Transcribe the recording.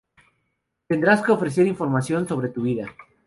Tendrás que ofrecer información sobre tu vida.